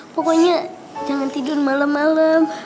pokoknya jangan tidur malem malem